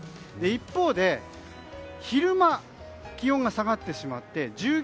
一方で昼間は気温が下がってしまって１９．２度。